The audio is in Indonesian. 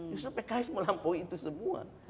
justru pks melampaui itu semua